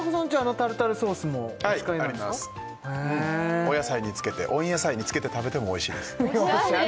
お野菜につけて温野菜につけて食べてもおいしいですおしゃれ！